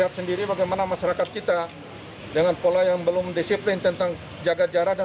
hal serupa terjadi di mataram nusa tenggara barat